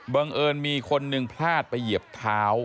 เอิญมีคนหนึ่งพลาดไปเหยียบเท้า